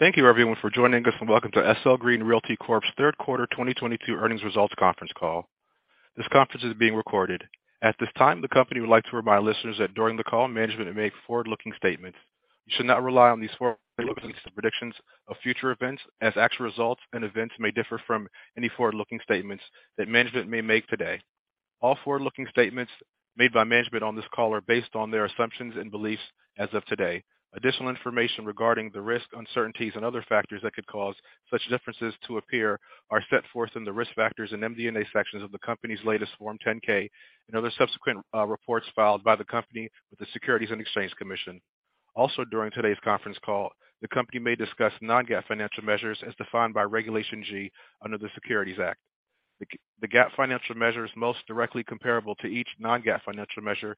Thank you everyone for joining us and Welcome to SL Green Realty Corp's Third Quarter 2022 Earnings Results Conference Call. This conference is being recorded. At this time, the company would like to remind listeners that during the call, management may make forward-looking statements. You should not rely on these forward-looking statements or predictions of future events as actual results and events may differ from any forward-looking statements that management may make today. All forward-looking statements made by management on this call are based on their assumptions and beliefs as of today. Additional information regarding the risk, uncertainties and other factors that could cause such differences to appear are set forth in the Risk Factors and MD&A sections of the company's latest Form 10-K and other subsequent reports filed by the company with the Securities and Exchange Commission. Also during today's conference call, the company may discuss non-GAAP financial measures as defined by Regulation G under the Securities Act. The GAAP financial measure is most directly comparable to each non-GAAP financial measure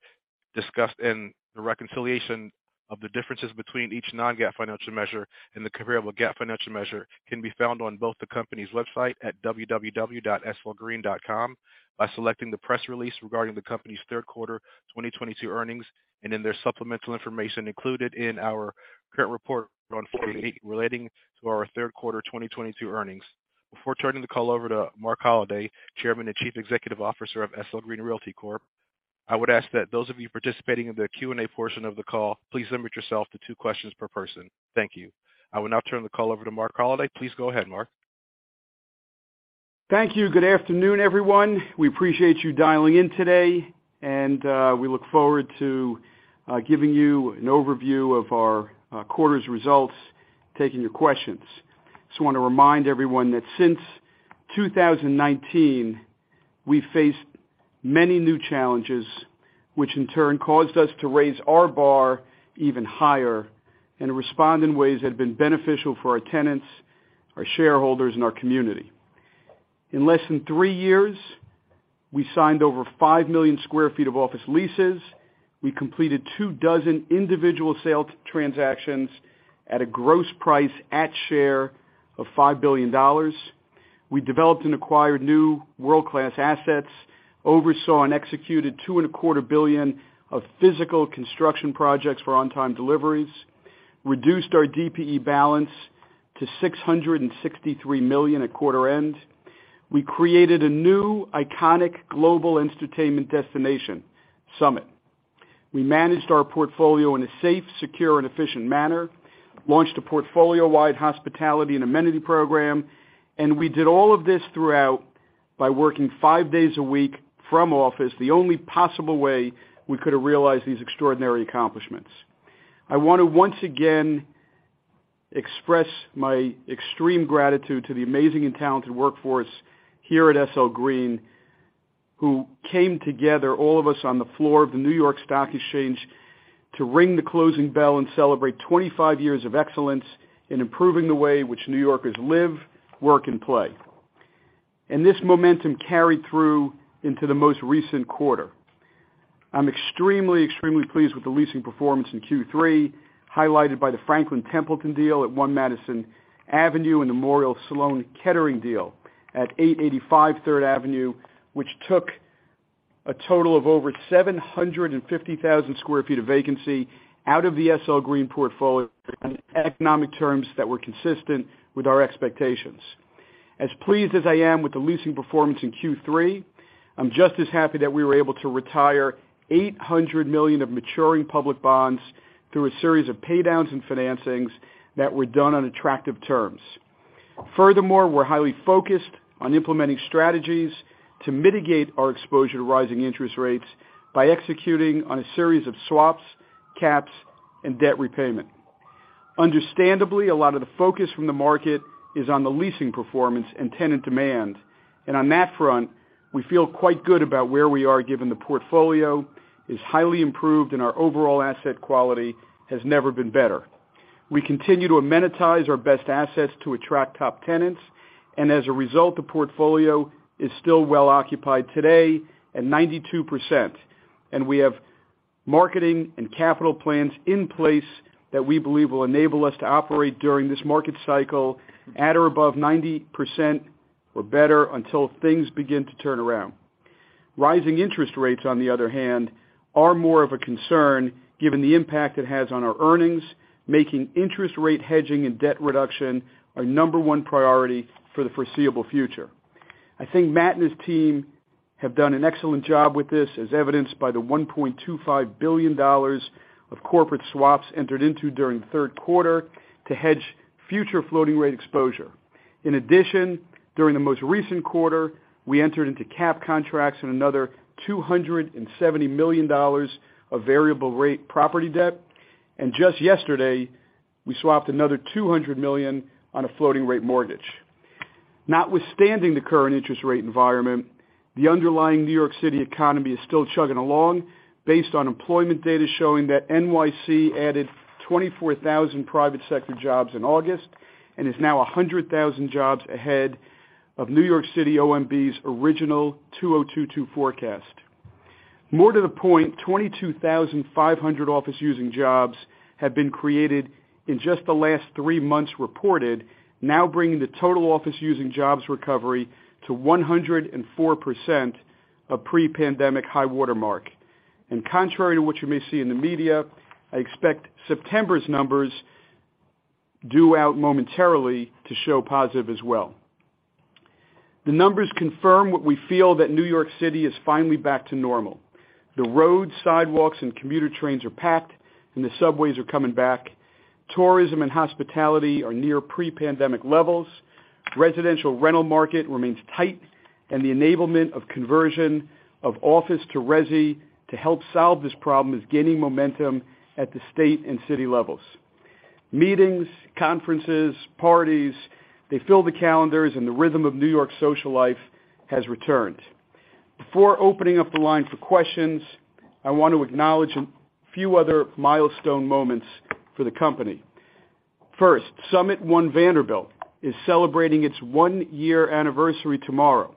discussed. The reconciliation of the differences between each non-GAAP financial measure and the comparable GAAP financial measure can be found on both the company's website at www.slgreen.com by selecting the press release regarding the company's third quarter 2022 earnings and in their supplemental information included in our current report on Form 8-K relating to our third quarter 2022 earnings. Before turning the call over to Marc Holliday, Chairman and Chief Executive Officer of SL Green Realty Corp., I would ask that those of you participating in the Q&A portion of the call, please limit yourself to two questions per person. Thank you. I will now turn the call over to Marc Holliday. Please go ahead, Marc. Thank you. Good afternoon, everyone. We appreciate you dialing in today, and we look forward to giving you an overview of our quarter's results, taking your questions. Just want to remind everyone that since 2019, we faced many new challenges, which in turn caused us to raise our bar even higher and respond in ways that have been beneficial for our tenants, our shareholders, and our community. In less than three years, we signed over 5 million sq ft of office leases. We completed 24 individual sales transactions at a gross price of $5 billion. We developed and acquired new world-class assets, oversaw and executed $2.25 billion of physical construction projects for on-time deliveries, reduced our DPE balance to $663 million at quarter end. We created a new iconic global entertainment destination, SUMMIT. We managed our portfolio in a safe, secure and efficient manner, launched a portfolio-wide hospitality and amenity program, and we did all of this throughout by working five days a week from office, the only possible way we could have realized these extraordinary accomplishments. I want to once again express my extreme gratitude to the amazing and talented workforce here at SL Green, who came together, all of us on the floor of the New York Stock Exchange, to ring the closing bell and celebrate 25 years of excellence in improving the way which New Yorkers live, work and play. This momentum carried through into the most recent quarter. I'm extremely pleased with the leasing performance in Q3, highlighted by the Franklin Templeton deal at One Madison Avenue and the Memorial Sloan Kettering deal at 885 Third Avenue, which took a total of over 750,000 sq ft of vacancy out of the SL Green portfolio on economic terms that were consistent with our expectations. As pleased as I am with the leasing performance in Q3, I'm just as happy that we were able to retire $800 million of maturing public bonds through a series of pay downs and financings that were done on attractive terms. Furthermore, we're highly focused on implementing strategies to mitigate our exposure to rising interest rates by executing on a series of swaps, caps and debt repayment. Understandably, a lot of the focus from the market is on the leasing performance and tenant demand. On that front, we feel quite good about where we are given the portfolio is highly improved and our overall asset quality has never been better. We continue to amenitize our best assets to attract top tenants, and as a result, the portfolio is still well occupied today at 92%, and we have marketing and capital plans in place that we believe will enable us to operate during this market cycle at or above 90% or better until things begin to turn around. Rising interest rates, on the other hand, are more of a concern given the impact it has on our earnings, making interest rate hedging and debt reduction our number one priority for the foreseeable future. I think Matt and his team have done an excellent job with this, as evidenced by the $1.25 billion of corporate swaps entered into during the third quarter to hedge future floating rate exposure. In addition, during the most recent quarter, we entered into cap contracts and another $270 million of variable rate property debt. Just yesterday, we swapped another $200 million on a floating rate mortgage. Notwithstanding the current interest rate environment, the underlying New York City economy is still chugging along based on employment data showing that NYC added 24,000 private sector jobs in August and is now 100,000 jobs ahead of New York City OMB's original 2022 forecast. More to the point, 22,500 office using jobs have been created in just the last three months reported, now bringing the total office using jobs recovery to 104% of pre-pandemic high watermark. Contrary to what you may see in the media, I expect September's numbers, due out momentarily, to show positive as well. The numbers confirm what we feel that New York City is finally back to normal. The roads, sidewalks, and commuter trains are packed, and the subways are coming back. Tourism and hospitality are near pre-pandemic levels. Residential rental market remains tight, and the enablement of conversion of office to resi to help solve this problem is gaining momentum at the state and city levels. Meetings, conferences, parties, they fill the calendars, and the rhythm of New York social life has returned. Before opening up the line for questions, I want to acknowledge a few other milestone moments for the company. First, SUMMIT One Vanderbilt is celebrating its one-year anniversary tomorrow.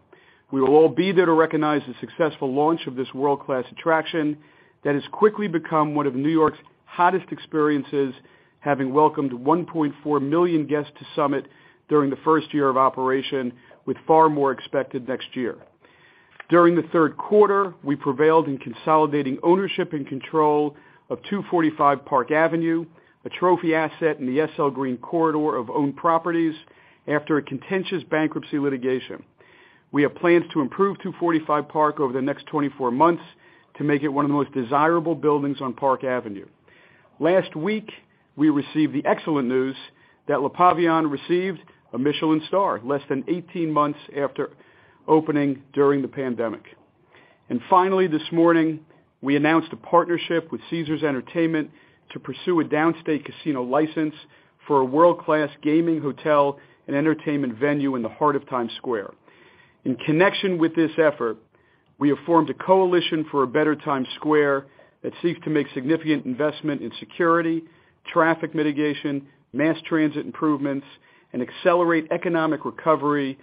We will all be there to recognize the successful launch of this world-class attraction that has quickly become one of New York's hottest experiences, having welcomed 1.4 million guests to SUMMIT during the first year of operation, with far more expected next year. During the third quarter, we prevailed in consolidating ownership and control of 245 Park Avenue, a trophy asset in the SL Green corridor of owned properties, after a contentious bankruptcy litigation. We have plans to improve 245 Park over the next 24 months to make it one of the most desirable buildings on Park Avenue. Last week, we received the excellent news that Le Pavillon received a Michelin star, less than eighteen months after opening during the pandemic. Finally, this morning, we announced a partnership with Caesars Entertainment to pursue a downstate casino license for a world-class gaming hotel and entertainment venue in the heart of Times Square. In connection with this effort, we have formed a coalition for a better Times Square that seeks to make significant investment in security, traffic mitigation, mass transit improvements, and accelerate economic recovery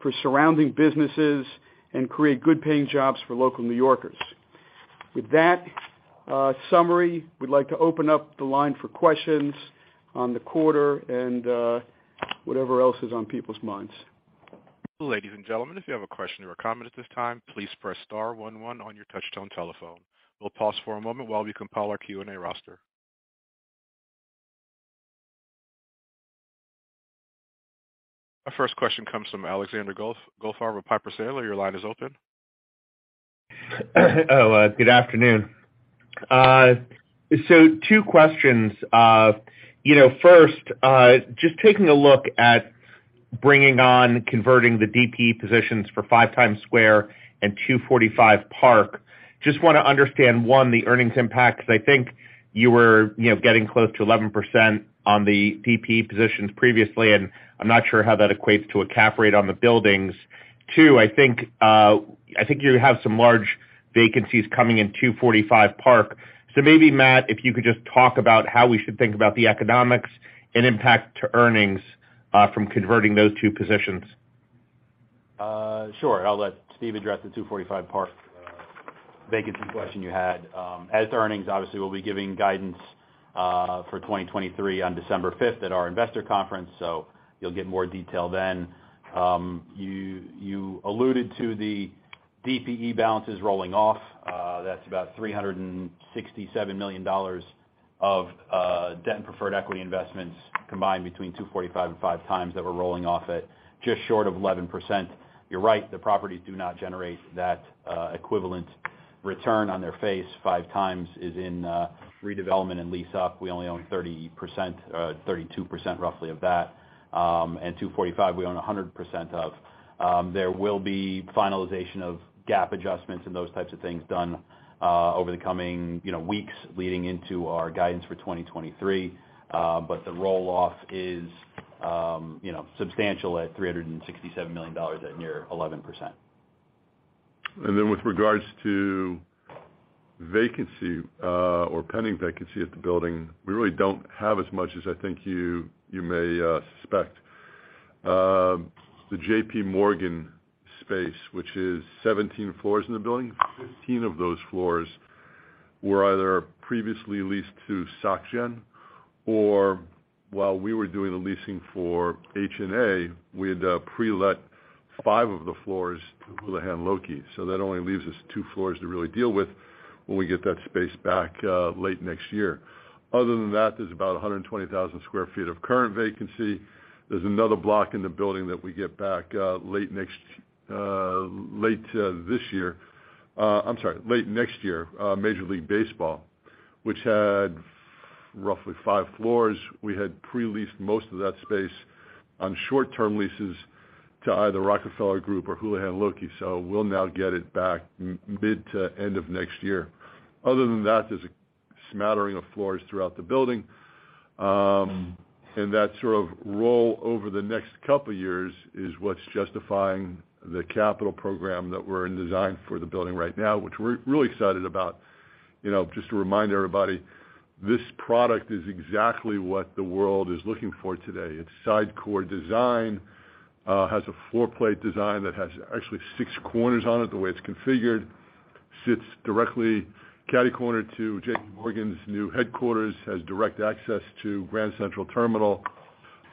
for surrounding businesses and create good-paying jobs for local New Yorkers. With that, summary, we'd like to open up the line for questions on the quarter and, whatever else is on people's minds. Ladies and gentlemen, if you have a question or a comment at this time, please press star one one on your touchtone telephone. We'll pause for a moment while we compile our Q&A roster. Our first question comes from Alexander Goldfarb of Piper Sandler. Your line is open. Good afternoon. Two questions. You know, first, just taking a look at bringing on converting the DPE positions for Five Times Square and 245 Park, just wanna understand, one, the earnings impact, because I think you were, you know, getting close to 11% on the DPE positions previously, and I'm not sure how that equates to a cap rate on the buildings. Two, I think you have some large vacancies coming in 245 Park. Maybe, Matt, if you could just talk about how we should think about the economics and impact to earnings from converting those two positions. Sure. I'll let Steve address the 245 Park vacancy question you had. As to earnings, obviously, we'll be giving guidance for December 5th 2023 at our investor conference, so you'll get more detail then. You alluded to the DPE balances rolling off. That's about $367 million of debt and preferred equity investments combined between 245 Park and 5x that we're rolling off at just short of 11%. You're right, the properties do not generate that equivalent return on their face. 5x is in redevelopment and lease up. We only own 30%, 32% roughly of that. 245, we own 100% of. There will be finalization of GAAP adjustments and those types of things done over the coming, you know, weeks leading into our guidance for 2023. The roll-off is, you know, substantial at $367 million at near 11%. With regards to vacancy, or pending vacancy at the building, we really don't have as much as I think you may suspect. The JPMorgan space, which is 17 floors in the building, 15 of those floors were either previously leased to Saks, or while we were doing the leasing for HNA, we had pre-let 5 of the floors to Houlihan Lokey. That only leaves us 2 floors to really deal with when we get that space back late next year. Other than that, there's about 120,000 sq ft of current vacancy. There's another block in the building that we get back late next year, Major League Baseball, which had roughly 5 floors. We had pre-leased most of that space on short-term leases to either Rockefeller Group or Houlihan Lokey, so we'll now get it back mid to end of next year. Other than that, there's a smattering of floors throughout the building. That sort of roll over the next couple years is what's justifying the capital program that we're in design for the building right now, which we're really excited about. You know, just to remind everybody, this product is exactly what the world is looking for today. Its side core design has a four-plate design that has actually six corners on it, the way it's configured. Sits directly catty-corner to JPMorgan's new headquarters. Has direct access to Grand Central Terminal.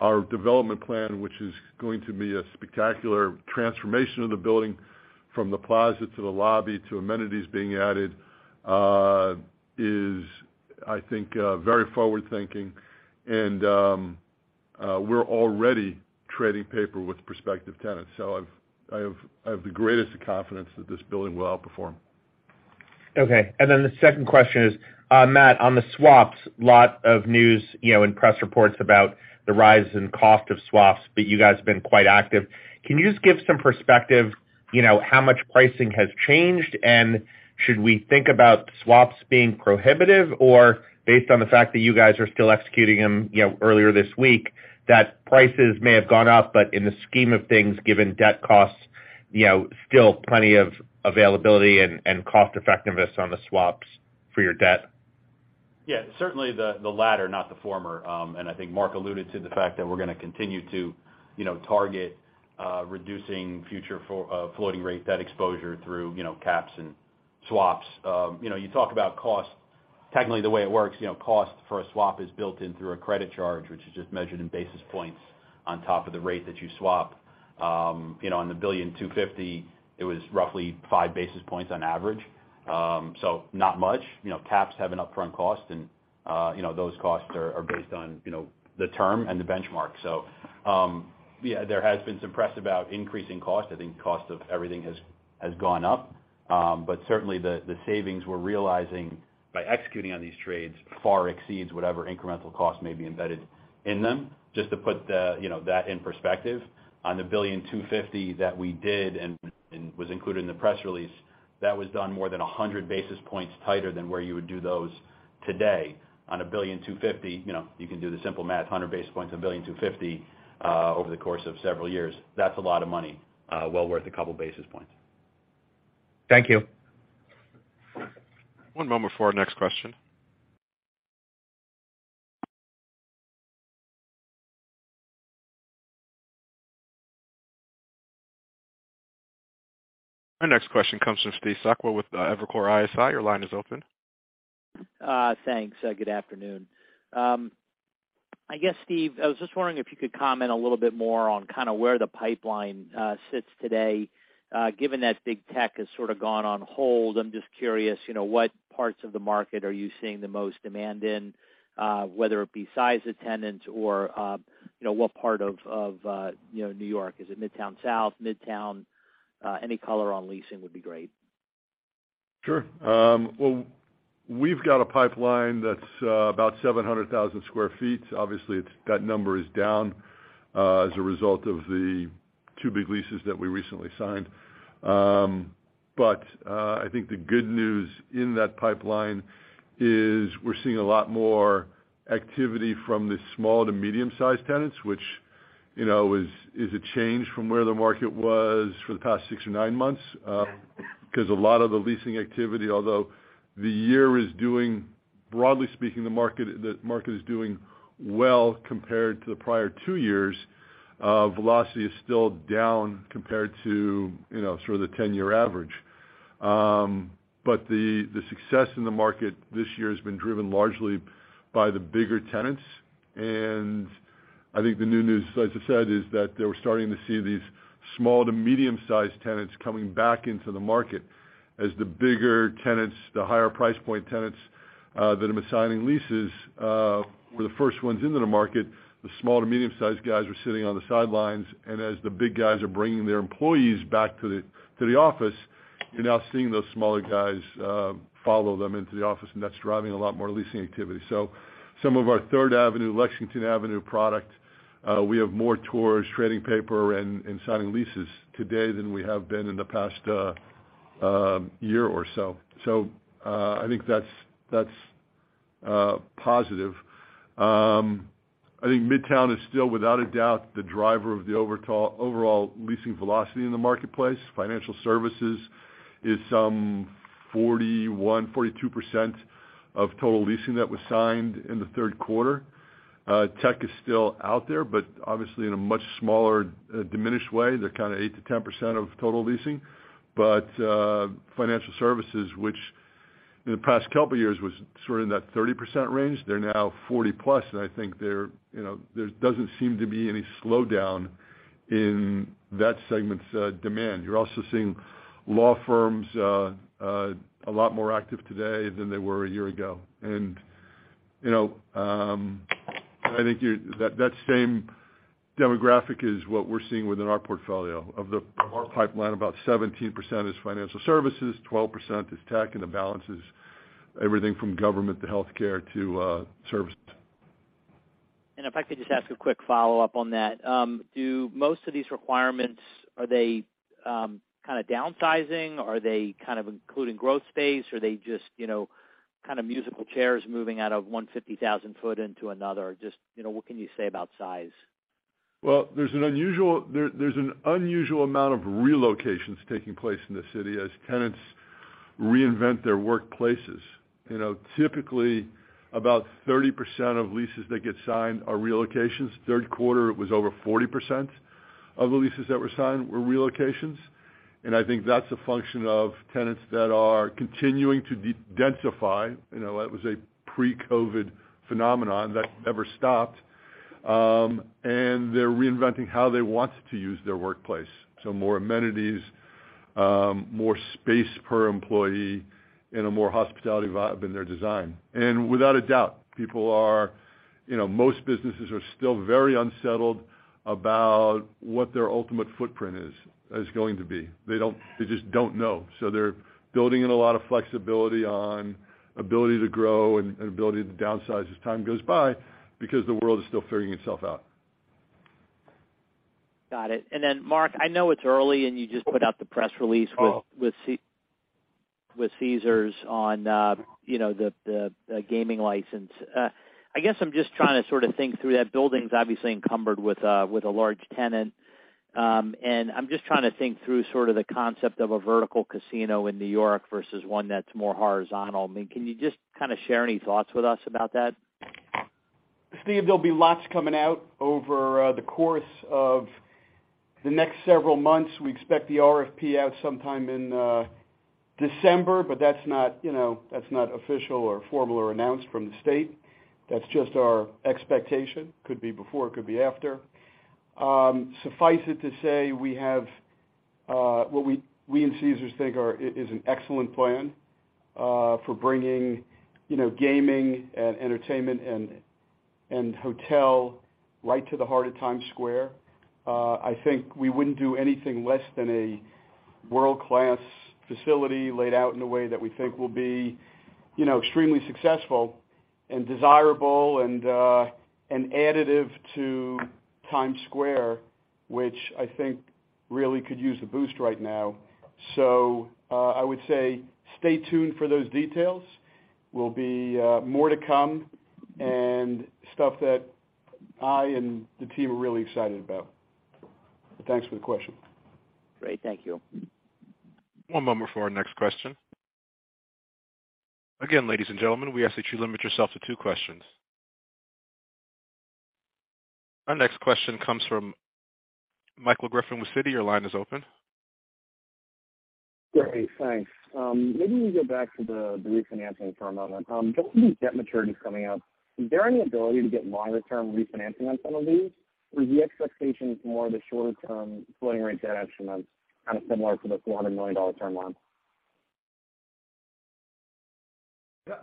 Our development plan, which is going to be a spectacular transformation of the building from the plaza to the lobby to amenities being added, is I think very forward-thinking and we're already trading paper with prospective tenants. I have the greatest confidence that this building will outperform. Okay. The second question is, Matt, on the swaps, lot of news, you know, and press reports about the rise in cost of swaps, but you guys have been quite active. Can you just give some perspective, you know, how much pricing has changed? Should we think about swaps being prohibitive or based on the fact that you guys are still executing them, you know, earlier this week, that prices may have gone up, but in the scheme of things, given debt costs, you know, still plenty of availability and cost-effectiveness on the swaps for your debt? Yeah, certainly the latter, not the former. I think Marc alluded to the fact that we're gonna continue to, you know, target reducing future floating rate debt exposure through, you know, caps and swaps. You know, you talk about cost. Technically, the way it works, you know, cost for a swap is built in through a credit charge, which is just measured in basis points on top of the rate that you swap. You know, on the $1.25 billion, it was roughly five basis points on average. Not much. You know, caps have an upfront cost and, you know, those costs are based on, you know, the term and the benchmark. Yeah, there has been some press about increasing cost. I think cost of everything has gone up. Certainly the savings we're realizing by executing on these trades far exceeds whatever incremental costs may be embedded in them. Just to put you know that in perspective, on the $1.25 billion that we did and was included in the press release, that was done more than 100 basis points tighter than where you would do those today. On a $1.25 billion, you know, you can do the simple math, 100 basis points, a $1.25 billion, over the course of several years. That's a lot of money, well worth a couple of basis points. Thank you. One moment for our next question. Our next question comes from Steve Sakwa with Evercore ISI. Your line is open. Thanks. Good afternoon. I guess, Steve, I was just wondering if you could comment a little bit more on kinda where the pipeline sits today, given that big tech has sorta gone on hold. I'm just curious, you know, what parts of the market are you seeing the most demand in, whether it be size of tenants or, you know, what part of New York? Is it Midtown South, Midtown? Any color on leasing would be great. Sure. Well, we've got a pipeline that's about 700,000 sq ft. Obviously, that number is down as a result of the two big leases that we recently signed. I think the good news in that pipeline is we're seeing a lot more activity from the small to medium-sized tenants, which, you know, is a change from where the market was for the past six or nine months, 'cause a lot of the leasing activity. Broadly speaking, the market is doing well compared to the prior two years. Velocity is still down compared to, you know, sort of the 10-year average. The success in the market this year has been driven largely by the bigger tenants. I think the new news, as I said, is that they were starting to see these small to medium-sized tenants coming back into the market as the bigger tenants, the higher price point tenants, that have been signing leases, were the first ones into the market. The small to medium-sized guys were sitting on the sidelines. As the big guys are bringing their employees back to the office, you're now seeing those smaller guys follow them into the office, and that's driving a lot more leasing activity. Some of our Third Avenue, Lexington Avenue product, we have more tours, trading paper, and signing leases today than we have been in the past year or so. I think that's positive. I think Midtown is still, without a doubt, the driver of the overall leasing velocity in the marketplace. Financial services is 41%-42% of total leasing that was signed in the third quarter. Tech is still out there, but obviously in a much smaller, diminished way. They're kinda 8%-10% of total leasing. Financial services, which in the past couple of years was sort of in that 30% range, they're now 40%+, and I think they're, you know, there doesn't seem to be any slowdown in that segment's demand. You're also seeing law firms a lot more active today than they were a year ago. You know, and I think that same demographic is what we're seeing within our portfolio. Our pipeline, about 17% is financial services, 12% is tech, and the balance is everything from government to healthcare to service. If I could just ask a quick follow-up on that. Do most of these requirements, are they kinda downsizing? Are they kind of including growth space? Are they just, you know, kinda musical chairs moving out of 150,000-foot into another? Just, you know, what can you say about size? Well, there's an unusual amount of relocations taking place in the city as tenants reinvent their workplaces. You know, typically about 30% of leases that get signed are relocations. Third quarter, it was over 40% of the leases that were signed were relocations. I think that's a function of tenants that are continuing to de-densify. You know, that was a pre-COVID phenomenon that never stopped. They're reinventing how they want to use their workplace. More amenities, more space per employee in a more hospitality in their design. Without a doubt, people are, you know, most businesses are still very unsettled about what their ultimate footprint is going to be. They just don't know. They're building in a lot of flexibility on ability to grow and ability to downsize as time goes by because the world is still figuring itself out. Got it. Marc, I know it's early, and you just put out the press release with Caesars on, you know, the gaming license. I guess I'm just trying to sort of think through that building's obviously encumbered with a large tenant. I'm just trying to think through sort of the concept of a vertical casino in New York versus one that's more horizontal. I mean, can you just kinda share any thoughts with us about that? Steve, there'll be lots coming out over the course of the next several months. We expect the RFP out sometime in December, but that's not, you know, that's not official or formal or announced from the state. That's just our expectation. Could be before, could be after. Suffice it to say, we have what we and Caesars think is an excellent plan for bringing, you know, gaming and entertainment and hotel right to the heart of Times Square. I think we wouldn't do anything less than a world-class facility laid out in a way that we think will be, you know, extremely successful and desirable and additive to Times Square, which I think really could use a boost right now. I would say stay tuned for those details. Will be more to come and stuff that I and the team are really excited about. Thanks for the question. Great. Thank you. One moment for our next question. Again, ladies and gentlemen, we ask that you limit yourself to two questions. Our next question comes from Michael Griffin with Citi. Your line is open. Great. Thanks. Maybe we go back to the refinancing for a moment. Just with these debt maturities coming up, is there any ability to get longer term refinancing on some of these? Or are the expectations more of the shorter term floating rate debt instruments, kind of similar for the $400 million term loan?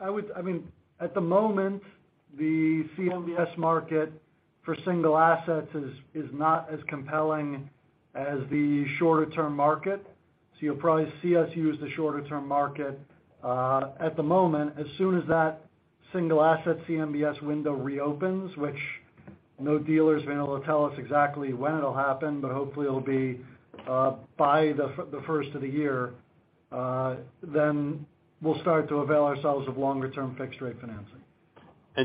I mean, at the moment, the CMBS market for single assets is not as compelling as the shorter term market. You'll probably see us use the shorter term market at the moment. As soon as that single asset CMBS window reopens, which no dealer's been able to tell us exactly when it'll happen, but hopefully it'll be by the first of the year, then we'll start to avail ourselves of longer term fixed rate financing.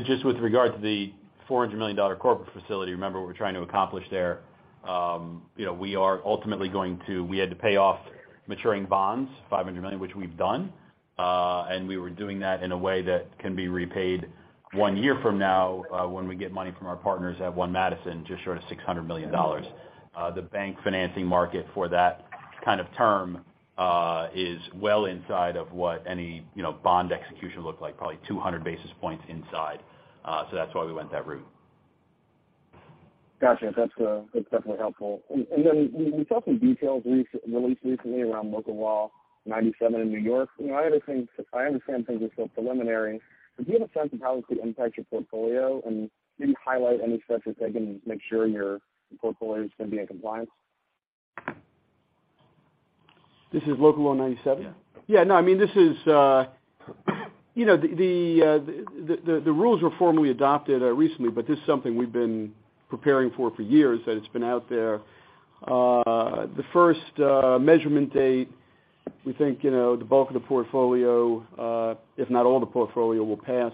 Just with regard to the $400 million corporate facility, remember what we're trying to accomplish there, you know, we had to pay off maturing bonds, $500 million, which we've done. We were doing that in a way that can be repaid one year from now, when we get money from our partners at One Madison, just short of $600 million. The bank financing market for that kind of term is well inside of what any bond execution looked like, probably 200 basis points inside. So that's why we went that route. Gotcha. That's definitely helpful. We saw some details recently released around Local Law 97 in New York. You know, I had to think, since I understand things are still preliminary, but do you have a sense of how this could impact your portfolio and maybe highlight any steps you're taking to make sure your portfolio is gonna be in compliance? This is Local Law 97? Yeah. Yeah, no, I mean, this is, you know, the rules were formally adopted recently, but this is something we've been preparing for years, that it's been out there. The first measurement date, we think, you know, the bulk of the portfolio, if not all the portfolio, will pass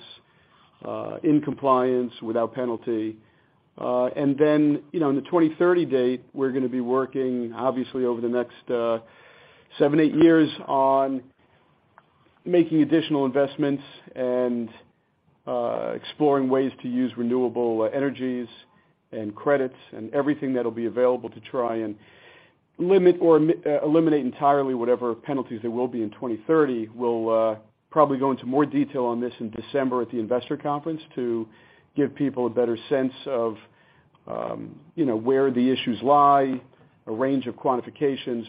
in compliance without penalty. You know, in the 2030 date, we're gonna be working obviously over the next 7, 8 years on making additional investments and exploring ways to use renewable energies and credits and everything that'll be available to try and limit or eliminate entirely whatever penalties there will be in 2030. We'll probably go into more detail on this in December at the investor conference to give people a better sense of, you know, where the issues lie, a range of quantifications.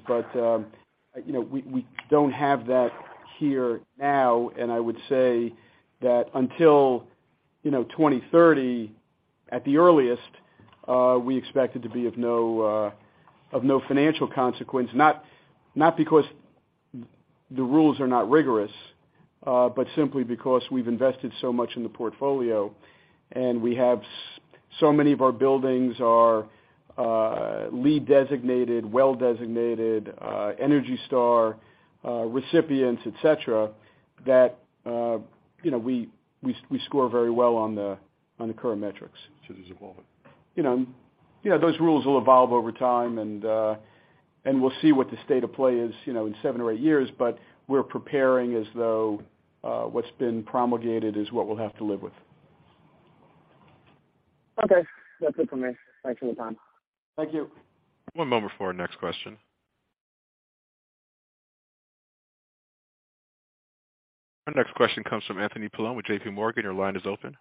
You know, we don't have that here now, and I would say that until, you know, 2030 at the earliest, we expect it to be of no financial consequence, not because the rules are not rigorous, but simply because we've invested so much in the portfolio, and we have so many of our buildings are LEED designated, WELL designated, Energy Star recipients, et cetera, that, you know, we score very well on the current metrics. Should these evolve. You know, those rules will evolve over time and we'll see what the state of play is, you know, in seven or eight years, but we're preparing as though what's been promulgated is what we'll have to live with. Okay. That's it for me. Thanks for the time. Thank you. One moment before our next question. Our next question comes from Anthony Paolone with JPMorgan. Your line is open.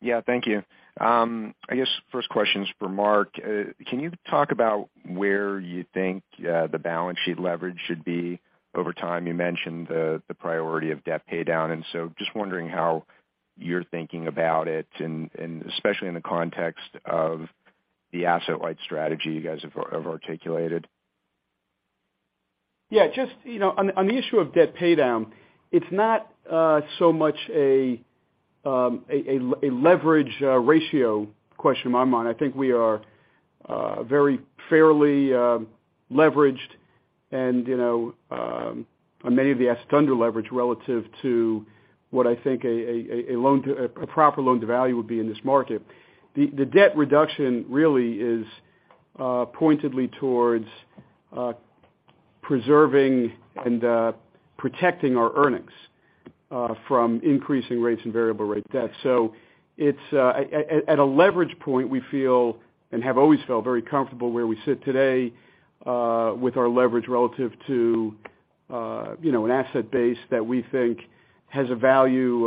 Yeah, thank you. I guess first question's for Marc. Can you talk about where you think the balance sheet leverage should be over time? You mentioned the priority of debt pay down, and so just wondering how you're thinking about it and especially in the context of the asset-light strategy you guys have articulated. Yeah, just, you know, on the issue of debt pay down, it's not so much a leverage ratio question in my mind. I think we are very fairly leveraged and, you know, on many of the assets, under-leveraged relative to what I think a proper loan to value would be in this market. The debt reduction really is pointedly towards preserving and protecting our earnings from increasing rates and variable rate debt. It's At a leverage point we feel, and have always felt very comfortable where we sit today, with our leverage relative to, you know, an asset base that we think has a value,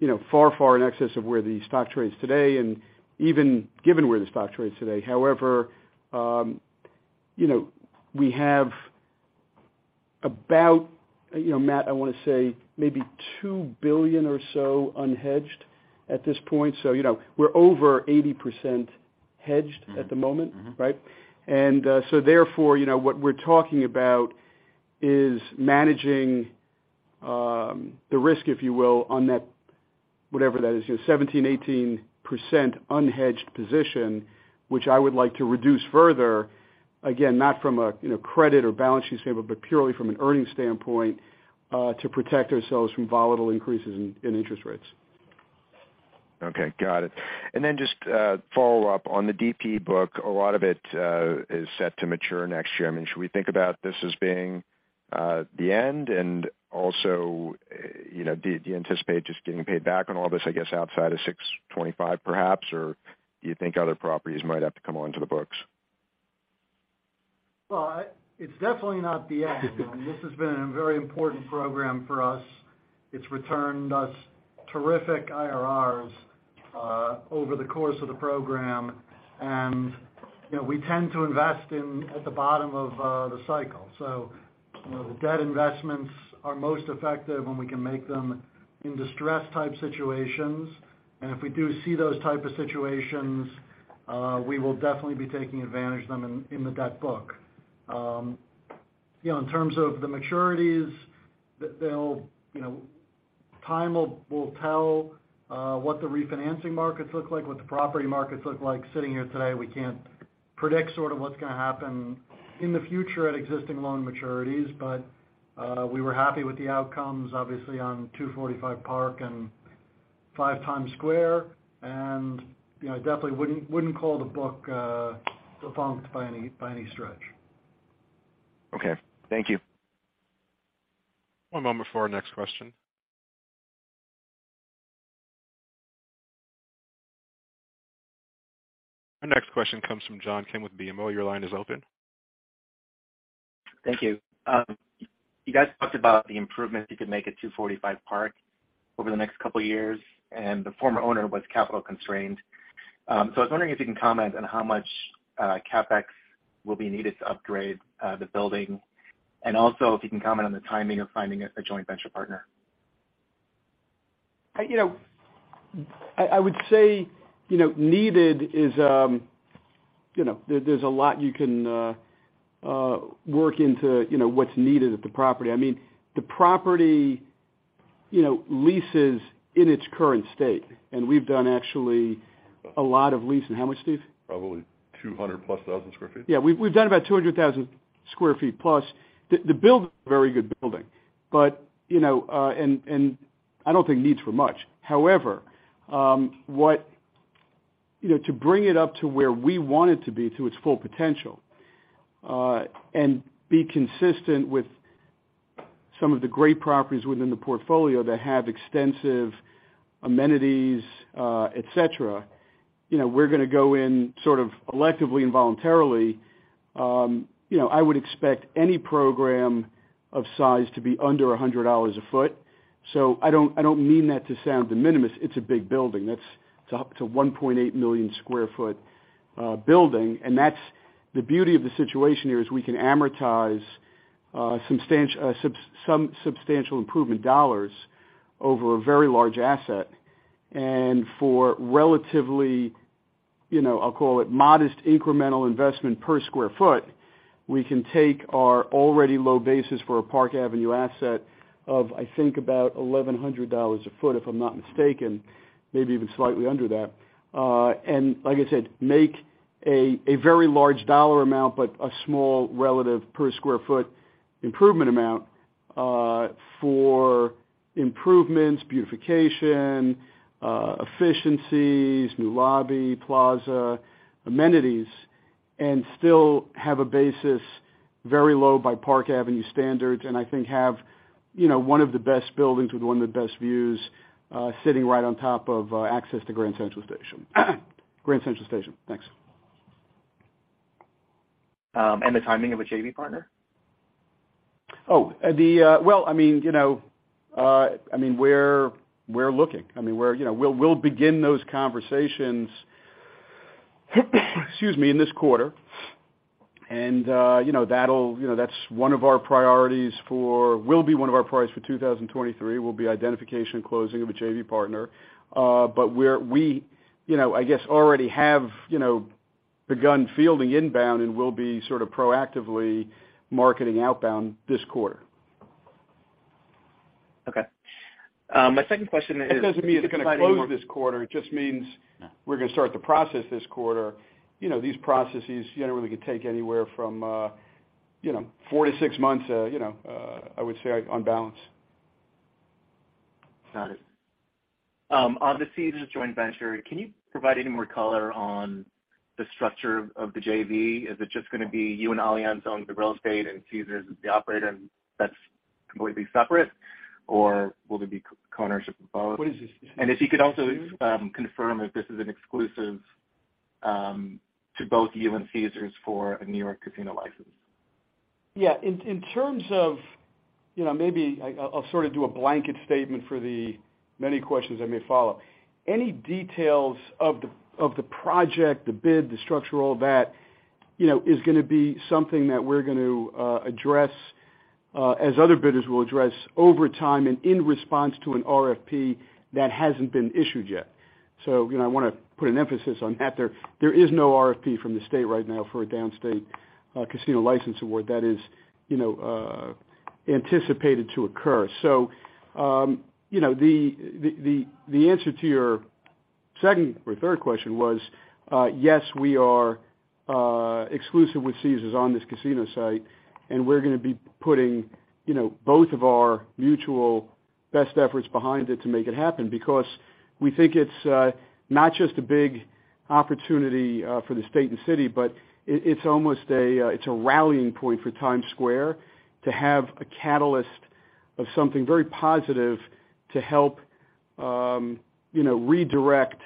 you know, far, far in excess of where the stock trades today and even given where the stock trades today. However, you know, we have about, you know, Matt, I wanna say maybe $2 billion or so unhedged at this point. You know, we're over 80% hedged at the moment, right? Mm-hmm. you know, what we're talking about is managing the risk, if you will, on that, whatever that is, you know, 17%-18% unhedged position, which I would like to reduce further. Again, not from a you know, credit or balance sheet standpoint, but purely from an earnings standpoint, to protect ourselves from volatile increases in interest rates. Okay, got it. Then just a follow-up on the DP book. A lot of it is set to mature next year. I mean, should we think about this as being the end? Also, you know, do you anticipate just getting paid back on all this, I guess, outside of 625 perhaps, or do you think other properties might have to come onto the books? It's definitely not the end. I mean, this has been a very important program for us. It's returned us terrific IRRs over the course of the program, and you know, we tend to invest in at the bottom of the cycle. You know, the debt investments are most effective when we can make them in distressed type situations. If we do see those type of situations, we will definitely be taking advantage of them in the debt book. You know, in terms of the maturities that they'll you know. Time will tell what the refinancing markets look like, what the property markets look like. Sitting here today, we can't predict sort of what's gonna happen in the future at existing loan maturities, but we were happy with the outcomes, obviously, on 245 Park and Five Times Square. You know, I definitely wouldn't call the book defunct by any stretch. Okay. Thank you. One moment for our next question. Our next question comes from John Kim with BMO. Your line is open. Thank you. You guys talked about the improvements you could make at 245 Park over the next couple years, and the former owner was capital constrained. I was wondering if you can comment on how much CapEx will be needed to upgrade the building, and also if you can comment on the timing of finding a joint venture partner. I would say, you know, there's a lot you can work into, you know, what's needed at the property. I mean, the property, you know, leases in its current state, and we've done actually a lot of leasing. How much, Steve? Probably 200,000+ sq ft. We've done about 200,000+ sq ft. The building is a very good building, but you know, I don't think needs for much. However, you know, to bring it up to where we want it to be to its full potential, and be consistent with some of the great properties within the portfolio that have extensive amenities, et cetera, you know, we're gonna go in sort of electively and voluntarily. You know, I would expect any program of size to be under $100 a foot. I don't mean that to sound de minimis. It's a big building. It's up to 1.8 million sq ft building. That's. The beauty of the situation here is we can amortize substantial improvement dollars over a very large asset. For relatively, you know, I'll call it modest incremental investment per sq ft, we can take our already low basis for a Park Avenue asset of, I think about $1,100 a foot, if I'm not mistaken, maybe even slightly under that. Like I said, make a very large dollar amount but a small relative per sq ft improvement amount for improvements, beautification, efficiencies, new lobby, plaza, amenities. Still have a basis very low by Park Avenue standards, and I think have, you know, one of the best buildings with one of the best views, sitting right on top of access to Grand Central Station. Thanks. The timing of a JV partner? Well, I mean, you know, I mean, we're looking. I mean, we're, you know, we'll begin those conversations, excuse me, in this quarter. You know, that'll be one of our priorities for 2023, identification and closing of a JV partner. But we, you know, I guess, already have begun fielding inbound and will be sort of proactively marketing outbound this quarter. Okay. My second question is. That doesn't mean it's gonna close this quarter. It just means we're gonna start the process this quarter. You know, these processes, you know, really could take anywhere from, you know, four-six months, you know, I would say, on balance. Got it. On the Caesars joint venture, can you provide any more color on the structure of the JV? Is it just gonna be you and Allianz own the real estate and Caesars is the operator that's completely separate, or will there be co-ownership of both? What is this? If you could also confirm if this is an exclusive to both you and Caesars for a New York casino license? Yeah, in terms of, you know, maybe I'll sort of do a blanket statement for the many questions that may follow. Any details of the project, the bid, the structure, all of that, you know, is gonna be something that we're going to address, as other bidders will address over time and in response to an RFP that hasn't been issued yet. You know, I wanna put an emphasis on that there. There is no RFP from the state right now for a downstate casino license award that is, you know, anticipated to occur. you know, the answer to your second or third question was yes, we are exclusive with Caesars on this casino site, and we're gonna be putting you know, both of our mutual best efforts behind it to make it happen, because we think it's not just a big opportunity for the state and city, but it's almost a rallying point for Times Square to have a catalyst of something very positive to help you know, redirect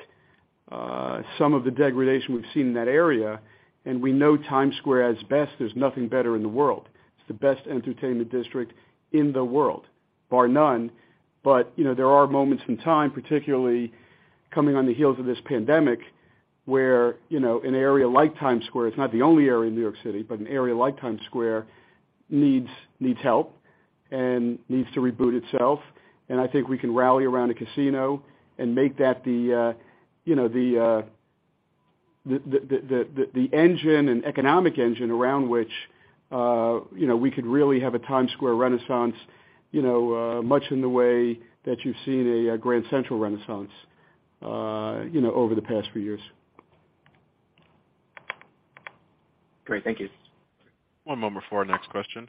some of the degradation we've seen in that area. We know Times Square at its best, there's nothing better in the world. It's the best entertainment district in the world, bar none. You know, there are moments in time, particularly coming on the heels of this pandemic, where, you know, an area like Times Square, it's not the only area in New York City, but an area like Times Square needs help and needs to reboot itself. I think we can rally around a casino and make that the, you know, the engine and economic engine around which, you know, we could really have a Times Square renaissance, you know, much in the way that you've seen a Grand Central renaissance, you know, over the past few years. Great. Thank you. One moment for our next question.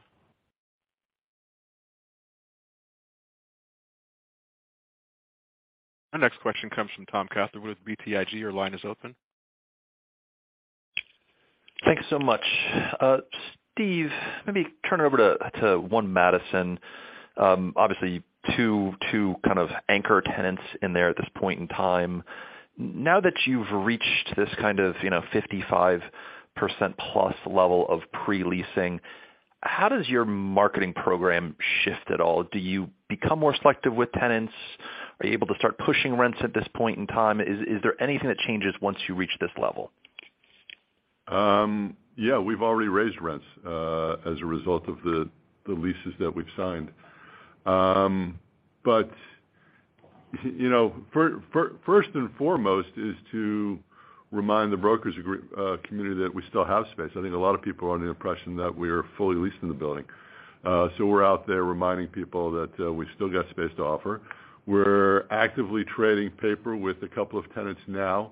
Our next question comes from Tom Catherwood with BTIG. Your line is open. Thank you so much. Steve, let me turn it over to One Madison. Obviously two kind of anchor tenants in there at this point in time. Now that you've reached this kind of, you know, 55%+ level of pre-leasing, how does your marketing program shift at all? Do you become more selective with tenants? Are you able to start pushing rents at this point in time? Is there anything that changes once you reach this level? Yeah, we've already raised rents as a result of the leases that we've signed. You know, first and foremost is to remind the brokers community that we still have space. I think a lot of people are under the impression that we're fully leased in the building. So we're out there reminding people that we still got space to offer. We're actively trading paper with a couple of tenants now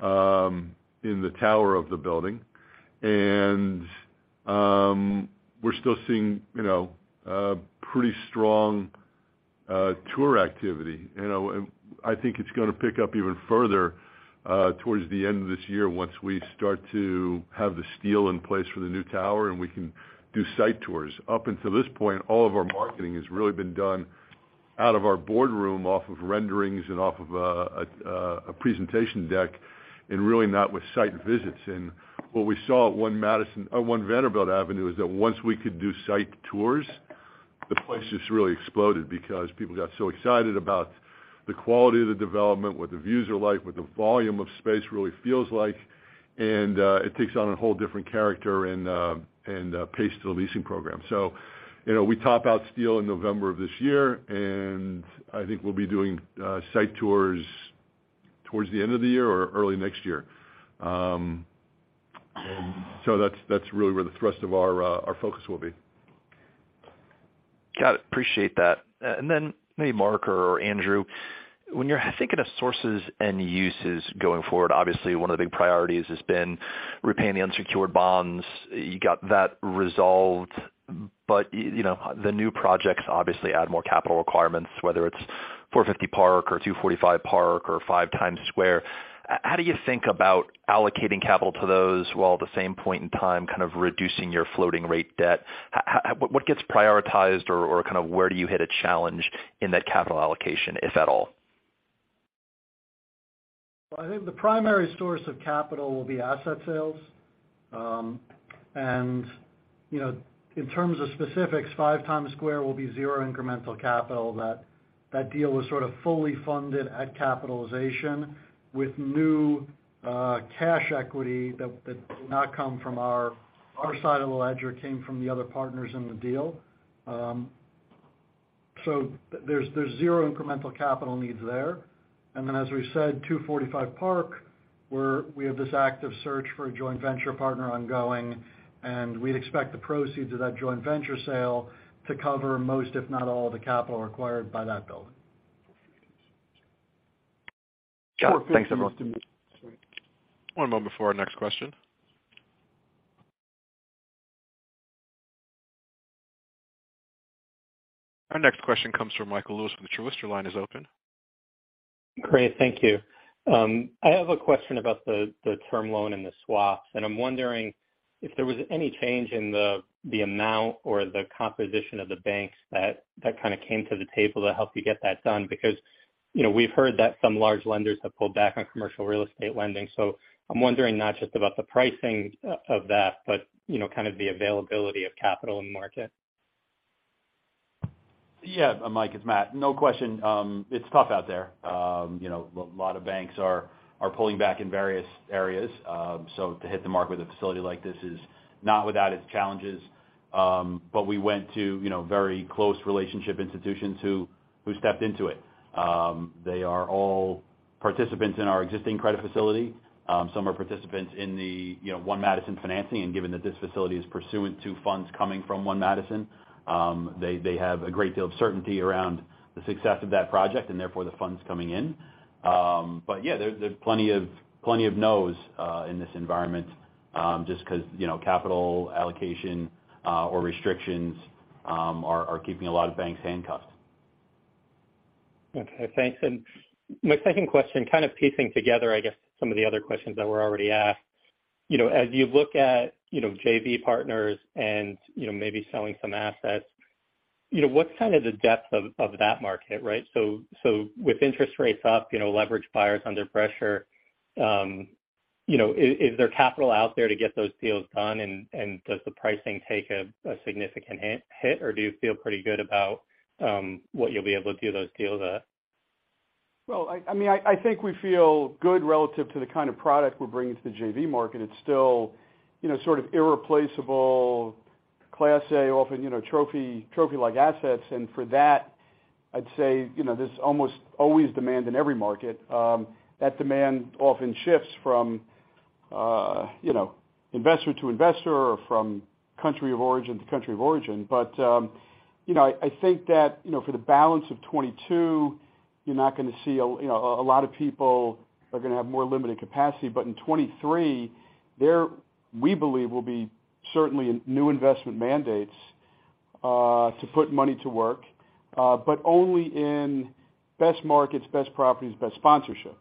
in the tower of the building. We're still seeing, you know, pretty strong tour activity. You know, I think it's gonna pick up even further towards the end of this year once we start to have the steel in place for the new tower and we can do site tours. Up until this point, all of our marketing has really been done out of our boardroom, off of renderings and off of a presentation deck, and really not with site visits. What we saw at One Vanderbilt Avenue is that once we could do site tours, the place just really exploded because people got so excited about the quality of the development, what the views are like, what the volume of space really feels like. It takes on a whole different character and pace to the leasing program. You know, we top out steel in November of this year, and I think we'll be doing site tours towards the end of the year or early next year. That's really where the thrust of our focus will be. Got it. Appreciate that. Maybe Marc or Andrew, when you're thinking of sources and uses going forward, obviously one of the big priorities has been repaying the unsecured bonds. You got that resolved. You know, the new projects obviously add more capital requirements, whether it's 450 Park or 245 Park or Five Times Square. How do you think about allocating capital to those while at the same point in time kind of reducing your floating rate debt? What gets prioritized or kind of where do you hit a challenge in that capital allocation, if at all? Well, I think the primary source of capital will be asset sales. You know, in terms of specifics, Five Times Square will be 0 incremental capital. That deal was sort of fully funded at capitalization with new cash equity that did not come from our side of the ledger, it came from the other partners in the deal. There's 0 incremental capital needs there. As we said, 245 Park, we have this active search for a joint venture partner ongoing, and we'd expect the proceeds of that joint venture sale to cover most, if not all, the capital required by that building. Yeah. Thanks everyone. One moment before our next question. Our next question comes from Michael Lewis from Truist. Your line is open. Great. Thank you. I have a question about the term loan and the swaps, and I'm wondering if there was any change in the amount or the composition of the banks that kind of came to the table to help you get that done because, you know, we've heard that some large lenders have pulled back on commercial real estate lending. I'm wondering not just about the pricing of that, but, you know, kind of the availability of capital in the market. Yeah. Mike, it's Matt. No question. It's tough out there. You know, a lot of banks are pulling back in various areas. To hit the mark with a facility like this is not without its challenges. We went to very close relationship institutions who stepped into it. They are all participants in our existing credit facility. Some are participants in One Madison financing, and given that this facility is pursuant to funds coming from One Madison, they have a great deal of certainty around the success of that project, and therefore the funds coming in. Yeah, there's plenty of no's in this environment, just 'cause you know, capital allocation or restrictions are keeping a lot of banks handcuffed. Okay, thanks. My second question, kind of piecing together, I guess some of the other questions that were already asked. You know, as you look at, you know, JV partners and, you know, maybe selling some assets, you know, what's kind of the depth of that market, right? So with interest rates up, you know, leverage buyers under pressure, you know, is there capital out there to get those deals done and does the pricing take a significant hit, or do you feel pretty good about what you'll be able to do those deals at? Well, I mean, I think we feel good relative to the kind of product we're bringing to the JV market. It's still, you know, sort of irreplaceable Class A often, you know, trophy-like assets. For that, I'd say, you know, there's almost always demand in every market. That demand often shifts from, you know, investor to investor or from country of origin to country of origin. I think that, you know, for the balance of 2022, you're not gonna see, you know, a lot of people are gonna have more limited capacity. In 2023, there we believe will be certainly new investment mandates to put money to work, but only in best markets, best properties, best sponsorship.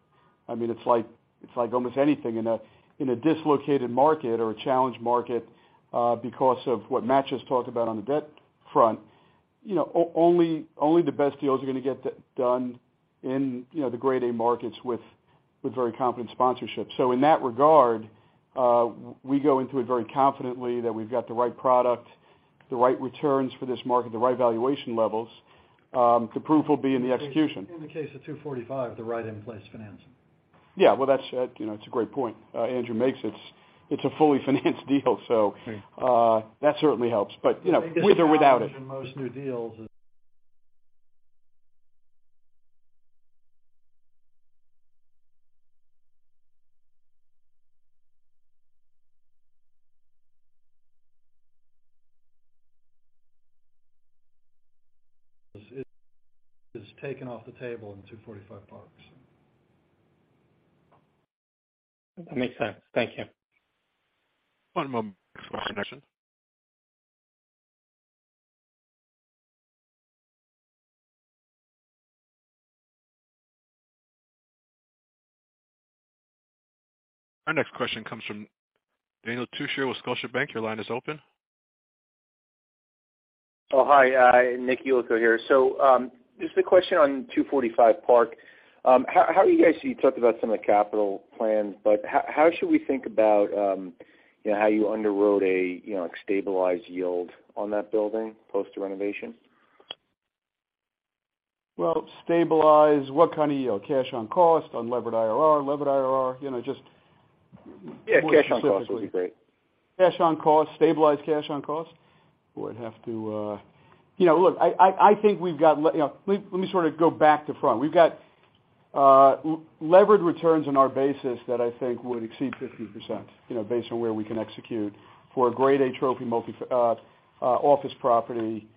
I mean, it's like almost anything in a dislocated market or a challenged market, because of what Matt just talked about on the debt front. You know, only the best deals are gonna get done in, you know, the grade A markets with very competent sponsorship. In that regard, we go into it very confidently that we've got the right product, the right returns for this market, the right valuation levels. The proof will be in the execution. In the case of 245, the right in place financing. Yeah. Well, that's, you know, it's a great point, Andrew makes. It's a fully financed deal, so. Right that certainly helps. You know, with or without it. The challenge in most new deals is taken off the table in 245 Park, so. That makes sense. Thank you. One moment for our next question. Our next question comes from Daniel Ismail with Scotiabank. Your line is open. Nick Yulico here. Just a question on 245 Park. How are you guys. You talked about some of the capital plans, but how should we think about, you know, how you underwrote a, you know, stabilized yield on that building post renovation? Well, stabilize what kind of yield? Cash on cost, unlevered IRR, levered IRR? You know, just- Yeah, cash on cost would be great. Cash on cost. Stabilized cash on cost? Boy, I'd have to. You know, look, let me sort of go back to front. We've got levered returns on our basis that I think would exceed 50%, you know, based on where we can execute for a grade A trophy multi office property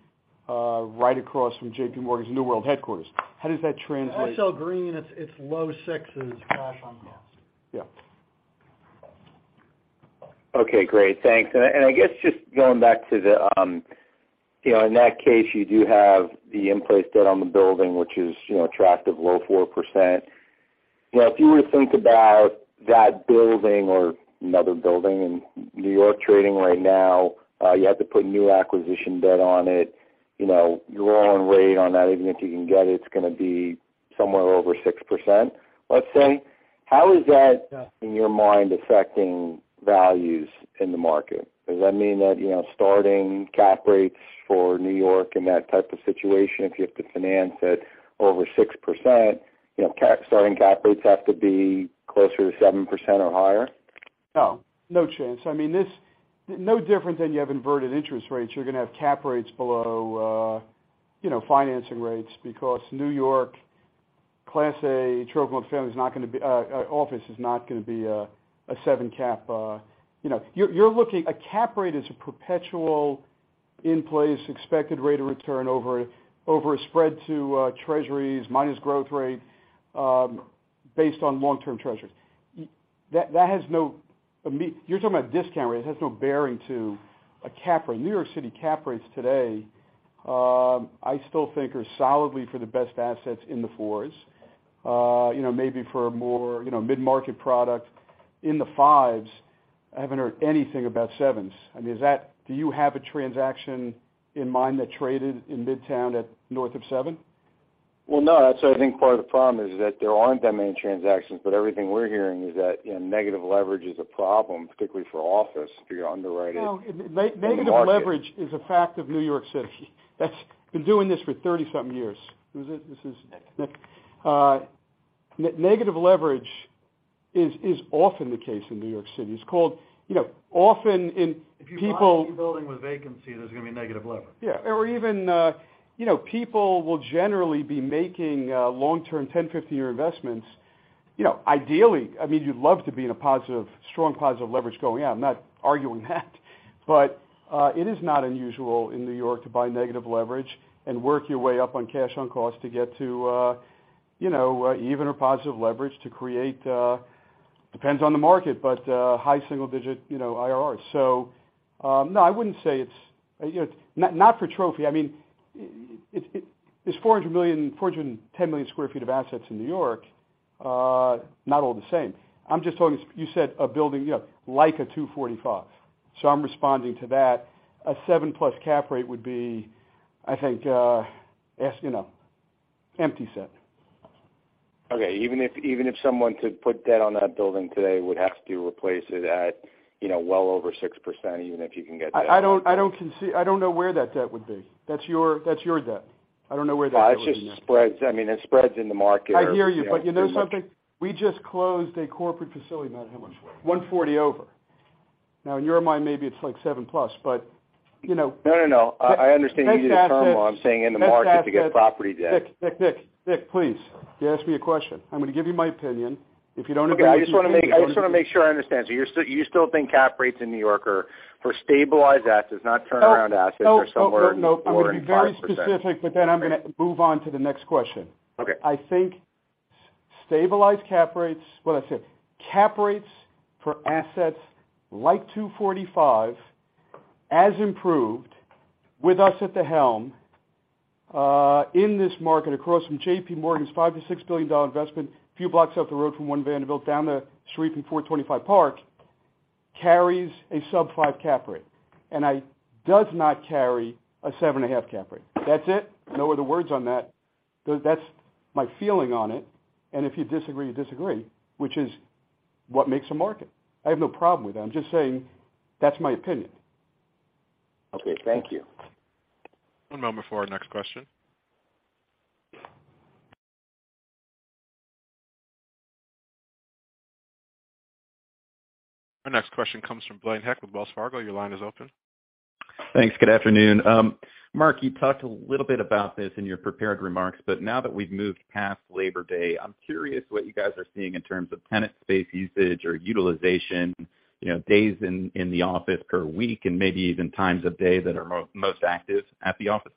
right across from JPMorgan's new world headquarters. How does that translate- SL Green, it's low sixes cash on cost. Yeah. Okay, great. Thanks. I guess just going back to the, you know, in that case, you do have the in-place debt on the building, which is, you know, attractive, low 4%. You know, if you were to think about that building or another building in New York trading right now, you have to put new acquisition debt on it. You know, your own rate on that, even if you can get it's gonna be somewhere over 6%, let's say. How is that, in your mind, affecting values in the market? Does that mean that, you know, starting cap rates for New York and that type of situation, if you have to finance it over 6%, you know, starting cap rates have to be closer to 7% or higher? No, no chance. I mean, this is no different than you have inverted interest rates. You're gonna have cap rates below, you know, financing rates because New York Class A trophy office is not gonna be a seven cap. You know, a cap rate is a perpetual in place expected rate of return over a spread to treasuries minus growth rate, based on long-term treasuries. You're talking about discount rate. It has no bearing on a cap rate. New York City cap rates today, I still think are solidly in the 4s for the best assets. You know, maybe for a more, you know, mid-market product in the 5s. I haven't heard anything about 7s. I mean, is that? Do you have a transaction in mind that traded in Midtown at north of 7? Well, no. That's why I think part of the problem is that there aren't that many transactions, but everything we're hearing is that, you know, negative leverage is a problem, particularly for office if you're underwriting. No. Negative leverage is a fact of New York City. That's been doing this for 30-something years. Who's this? This is- Nick. Negative leverage is often the case in New York City. It's called, you know, often in people. If you buy a key building with vacancy, there's gonna be negative leverage. Yeah. Even, you know, people will generally be making long-term 10-, 15-year investments. You know, ideally, I mean, you'd love to be in a positive, strong positive leverage going out. I'm not arguing that. It is not unusual in New York to buy negative leverage and work your way up on cash on cost to get to, you know, even or positive leverage to create, depends on the market, but, high single-digit, you know, IRRs. No, I wouldn't say it's. You know, not for trophy. I mean, it's 400 million, 410 million sq ft of assets in New York. Not all the same. I'm just talking. You said a building, you know, like a 245. I'm responding to that. A 7+ cap rate would be, I think, you know, empty set. Okay. Even if someone could put debt on that building today would have to replace it at, you know, well over 6%, even if you can get that. I don't know where that debt would be. That's your debt. I don't know where that debt would be. It's just spreads. I mean, it's spreads in the market or, you know. I hear you, but you know something? We just closed a corporate facility. Matt, how much was it? $140 over. Now, in your mind, maybe it's like $7+, but, you know. No. I understand you use the term while I'm saying in the market to get property debt. Nick, please. You asked me a question. I'm gonna give you my opinion. If you don't agree. Okay. I just wanna make sure I understand. You're still think cap rates in New York are for stabilized assets, not turnaround assets? No. are somewhere around 4% or 5%. I'm gonna be very specific, but then I'm gonna move on to the next question. Okay. I think stabilized cap rates. What did I say? Cap rates for assets like 245 have improved with us at the helm in this market across from JPMorgan's $5 billion-$6 billion investment, few blocks up the road from One Vanderbilt, down the street from 425 Park, carries a sub-5% cap rate. Does not carry a 7.5% cap rate. That's it. No other words on that. That's my feeling on it, and if you disagree, you disagree, which is what makes a market. I have no problem with that. I'm just saying that's my opinion. Okay. Thank you. One moment before our next question. Our next question comes from Blaine Heck with Wells Fargo. Your line is open. Thanks. Good afternoon. Marc, you talked a little bit about this in your prepared remarks, but now that we've moved past Labor Day, I'm curious what you guys are seeing in terms of tenant space usage or utilization, you know, days in the office per week and maybe even times of day that are most active at the office.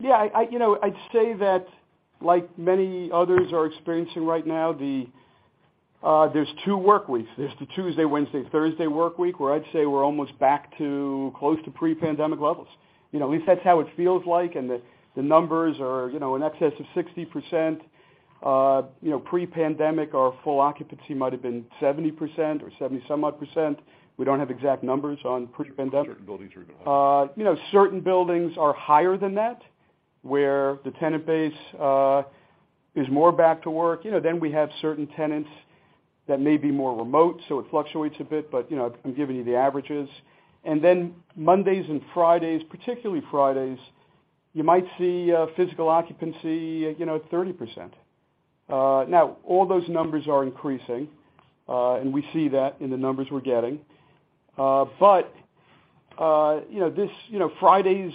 You know, I'd say that like many others are experiencing right now, there's two work weeks. There's the Tuesday, Wednesday, Thursday work week, where I'd say we're almost back to close to pre-pandemic levels. You know, at least that's how it feels like, and the numbers are, you know, in excess of 60%. You know, pre-pandemic, our full occupancy might have been 70% or 70-something %. We don't have exact numbers on pre-pandemic. Certain buildings are even higher. You know, certain buildings are higher than that, where the tenant base is more back to work. You know, then we have certain tenants that may be more remote, so it fluctuates a bit, but, you know, I'm giving you the averages. Then Mondays and Fridays, particularly Fridays, you might see physical occupancy, you know, at 30%. Now all those numbers are increasing, and we see that in the numbers we're getting. But you know, Fridays,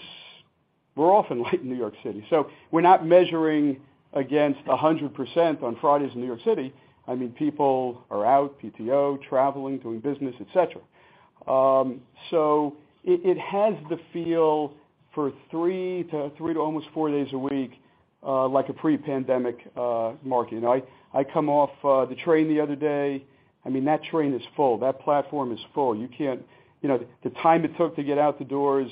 we're often late in New York City, so we're not measuring against 100% on Fridays in New York City. I mean, people are out, PTO, traveling, doing business, et cetera. So it has the feel for three to almost four days a week, like a pre-pandemic market. You know, I come off the train the other day. I mean, that train is full, that platform is full. You can't. You know, the time it took to get out the doors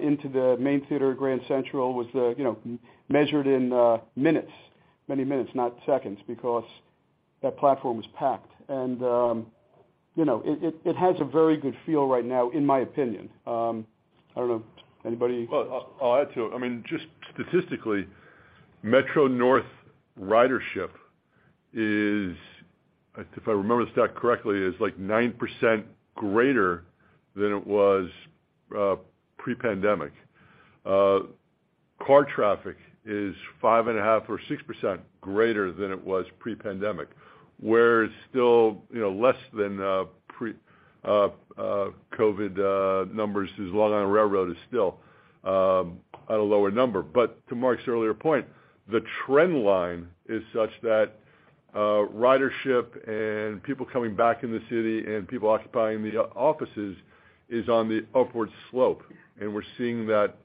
into the main concourse at Grand Central was you know, measured in minutes, many minutes, not seconds, because that platform was packed. You know, it has a very good feel right now in my opinion. I don't know if anybody. Well, I'll add to it. I mean, just statistically, Metro-North ridership is, if I remember the stat correctly, like 9% greater than it was pre-pandemic. Car traffic is 5.5 or 6% greater than it was pre-pandemic. Where it's still, you know, less than pre-COVID numbers. Long Island Rail Road is still at a lower number. To Marc's earlier point, the trend line is such that ridership and people coming back in the city and people occupying the offices is on the upward slope, and we're seeing that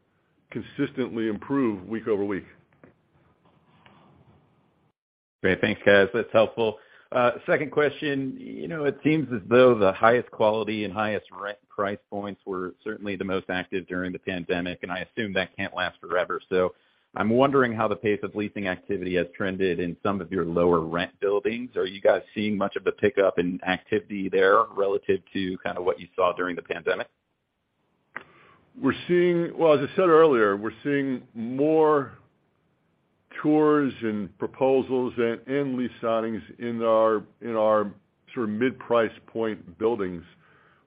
consistently improve week-over-week. Great. Thanks, guys. That's helpful. Second question. You know, it seems as though the highest quality and highest re-price points were certainly the most active during the pandemic, and I assume that can't last forever. I'm wondering how the pace of leasing activity has trended in some of your lower rent buildings. Are you guys seeing much of a pickup in activity there relative to kind of what you saw during the pandemic? We're seeing. Well, as I said earlier, we're seeing more tours and proposals and lease signings in our sort of mid-price point buildings,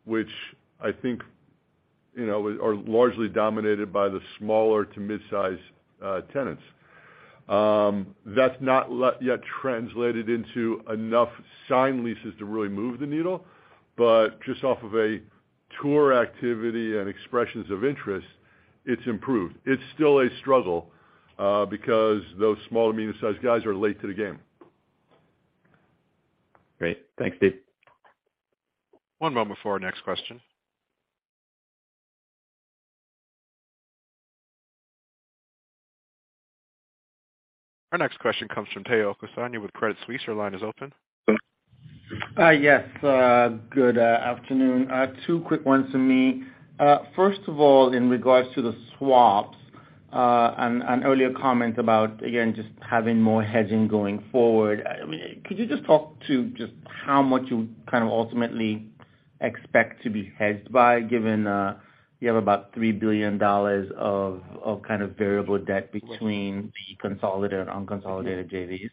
which I think, you know, are largely dominated by the smaller to mid-size tenants. That's not yet translated into enough signed leases to really move the needle, but just off of a tour activity and expressions of interest, it's improved. It's still a struggle, because those small to medium-sized guys are late to the game. Great. Thanks, Steve. One moment for our next question. Our next question comes from Tayo Okusanya with Credit Suisse. Your line is open. Yes, good afternoon. Two quick ones from me. First of all, in regards to the swaps, and an earlier comment about, again, just having more hedging going forward. I mean, could you just talk to just how much you kind of ultimately expect to be hedged by, given you have about $3 billion of kind of variable debt between the consolidated, unconsolidated JVs?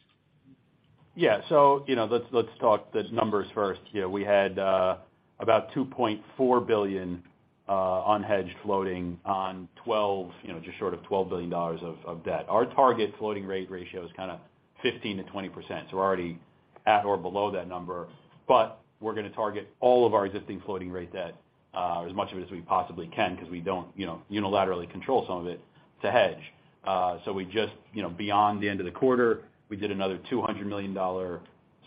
Yeah. You know, let's talk the numbers first. You know, we had about $2.4 billion unhedged floating on 12, you know, just short of $12 billion of debt. Our target floating rate ratio is kinda 15%-20%. We're already at or below that number, but we're gonna target all of our existing floating rate debt, as much of it as we possibly can because we don't, you know, unilaterally control some of it to hedge. You know, beyond the end of the quarter, we did another $200 million